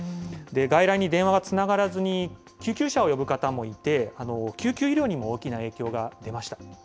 外来に電話がつながらずに救急車を呼ぶ方もいて、救急医療にも大きな影響が出ました。